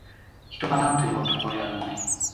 人がなんと言おうと、これはうまい